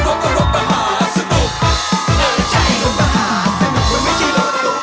สุดท้ายสุดท้ายสุดท้าย